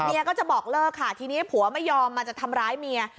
ก็จะบอกเลิกค่ะทีนี้ผัวไม่ยอมมาจะทำร้ายเมีย